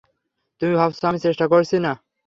তুমি ভাবছ আমি চেষ্টা করছি না!